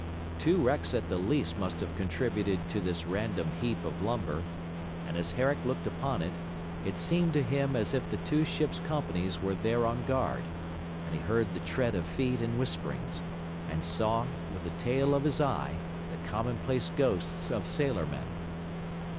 Two wrecks at the least must have contributed to this random heap of lumber; and as Herrick looked upon it, it seemed to him as if the two ships' companies were there on guard, and he heard the tread of feet and whisperings, and saw with the tail of his eye the commonplace ghosts of sailor men.